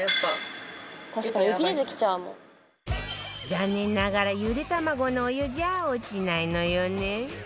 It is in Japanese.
残念ながらゆで卵のお湯じゃ落ちないのよね